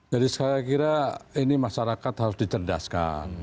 jadi saya kira ini masyarakat harus dicerdaskan